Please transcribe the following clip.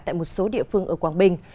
tại một số địa phương ở quảng bình